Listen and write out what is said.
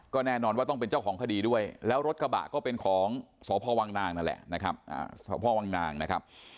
ก็แน่นอนว่าต้องเป็นเจ้าของคดีด้วยแล้วรถกระบะก็เป็นของสพวังนางนั่นแหละนะครับสพวังนางนะครับ